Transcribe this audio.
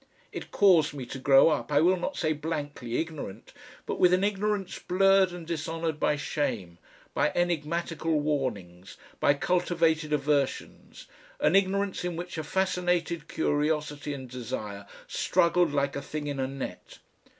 It caused me to grow up, I will not say blankly ignorant, but with an ignorance blurred and dishonoured by shame, by enigmatical warnings, by cultivated aversions, an ignorance in which a fascinated curiosity and desire struggled like a thing in a net.